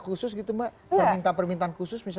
khusus gitu mbak permintaan permintaan khusus misalnya